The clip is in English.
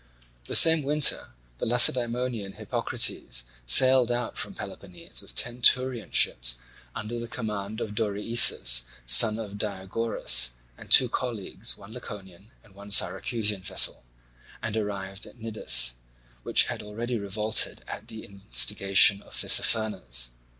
The same winter the Lacedaemonian Hippocrates sailed out from Peloponnese with ten Thurian ships under the command of Dorieus, son of Diagoras, and two colleagues, one Laconian and one Syracusan vessel, and arrived at Cnidus, which had already revolted at the instigation of Tissaphernes.